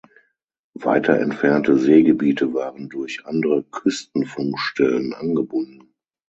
Weiter entfernte Seegebiete waren durch andere Küstenfunkstellen angebunden.